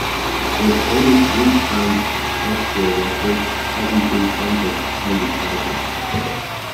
There is only three times "Death Row Records" hasn't been censored on this album.